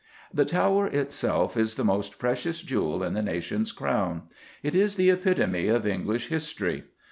The Tower itself is the most precious jewel in the nation's Crown. It is the epitome of English history.